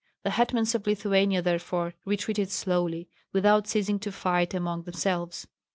The hetmans of Lithuania therefore retreated slowly, without ceasing to fight among themselves.